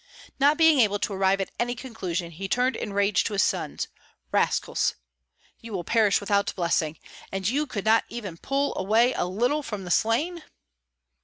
Not being able to arrive at any conclusion, he turned in rage to his sons: "Rascals! You will perish without blessing! And you could not even pull away a little from the slain?"